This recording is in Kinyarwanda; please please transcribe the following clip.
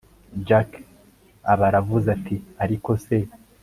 jack aba aravuze ati ariko se